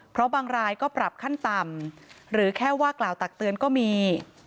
เพราะบางรายก็ปรับขั้นต่ำหรือแค่ว่ากล่าวตักเตือนก็มี